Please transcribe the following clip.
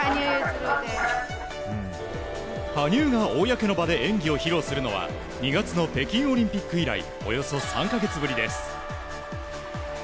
羽生が公の場で演技を披露するのは２月の北京オリンピック以来およそ３か月ぶりです。